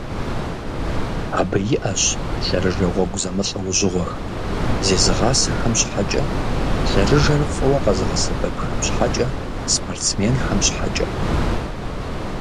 Абы иIэщ лъэрыжэ гъуэгу зэмылIэужьыгъуэхэр: зезыгъасэхэм щхьэкIэ, лъэрыжэр фIыуэ къэзыгъэсэбэпхэм щхьэкIэ, спортсменхэм щхьэкIэ.